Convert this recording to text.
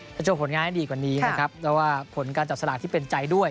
จะโชว์ผลงานให้ดีกว่านี้นะครับแต่ว่าผลการจับสลากที่เป็นใจด้วย